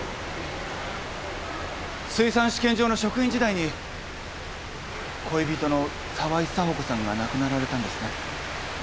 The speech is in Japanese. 水産試験場の職員時代に恋人の沢井紗保子さんが亡くなられたんですね？